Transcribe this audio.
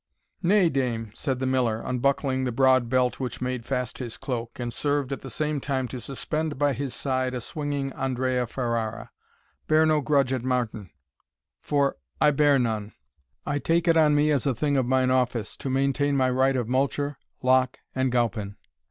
"Nay, dame," said the miller, unbuckling the broad belt which made fast his cloak, and served, at the same time, to suspend by his side a swinging Andrea Ferrara, "bear no grudge at Martin, for I bear none I take it on me as a thing of mine office, to maintain my right of multure, lock, and gowpen.